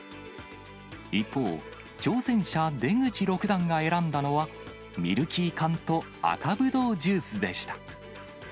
一方、挑戦者、出口六段が選んだのは、ミルキー缶と赤葡萄ジュースでした。